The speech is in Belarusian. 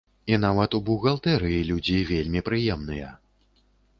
І нават у бухгалтэрыі людзі вельмі прыемныя.